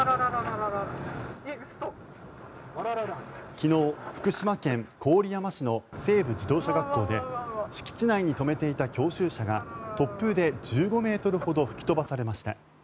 昨日、福島県郡山市の西部自動車学校で敷地内に止めていた教習車が突風で１５ｍほど吹き飛ばされました。